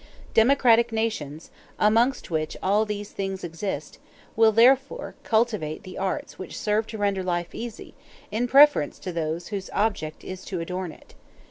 Democratic nations, amongst which all these things exist, will therefore cultivate the arts which serve to render life easy, in preference to those whose object is to adorn it.